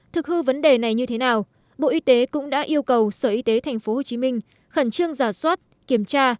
thực hư vấn đề này như thế nào bộ y tế cũng đã yêu cầu sở y tế tp hcm khẩn trương giả soát kiểm tra